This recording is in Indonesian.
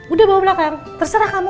udah bawa belakang terserah kamu